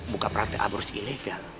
buka perhatian aborsi ilegal